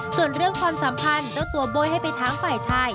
ส่วนเรื่องความสัมพันธ์เจ้าตัวโบ้ยให้ไปถามฝ่ายชาย